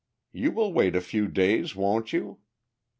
You will wait a few days, won't you?"